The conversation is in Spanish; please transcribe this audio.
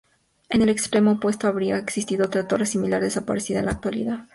En el extremo opuesto habría existido otra torre similar, desaparecida en la actualidad.